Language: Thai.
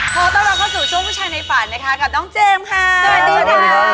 พอต้องรับเข้าสู่ช่วงผู้ชายในฝันกับน้องเจมส์